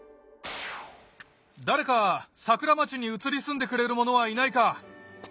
誰か桜町に移り住んでくれる者はいないか？